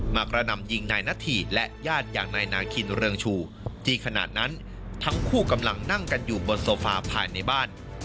กระหน่ำยิงนายนาธีและญาติอย่างนายนาคินเรืองชูที่ขณะนั้นทั้งคู่กำลังนั่งกันอยู่บนโซฟาภายในบ้าน